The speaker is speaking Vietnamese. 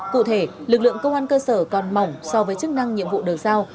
cụ thể lực lượng công an cơ sở còn mỏng so với chức năng nhiệm vụ được giao